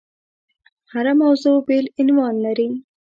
هره موضوع بېل عنوان لري.